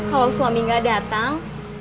kalau suami gak datang